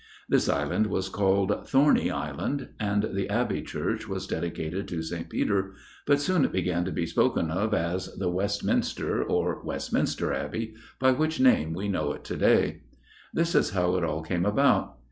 This Island was called 'Thorney Island,' and the Abbey Church was dedicated to St. Peter, but soon it began to be spoken of as the 'West Minster,' or Westminster Abbey, by which name we know it to day. This was how it all came about.